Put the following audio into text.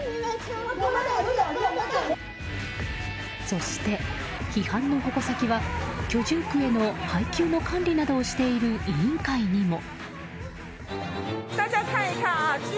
そして、批判の矛先は居住区への配給の管理などをしている委員会にも。